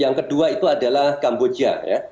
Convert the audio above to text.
yang kedua itu adalah kamboja ya